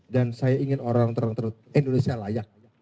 dan saya ingin orang terang terutama indonesia layak